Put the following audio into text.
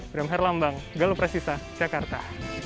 bramher lambang galopresista jakarta